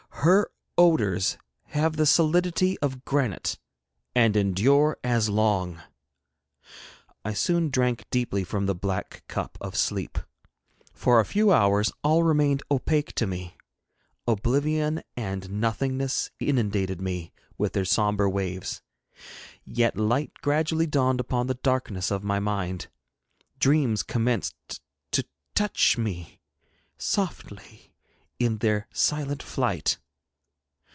Her odours have the solidity of granite and endure as long. I soon drank deeply from the black cup of sleep. For a few hours all remained opaque to me. Oblivion and nothingness inundated me with their sombre waves. Yet light gradually dawned upon the darkness of my mind. Dreams commenced to touch me softly in their silent flight.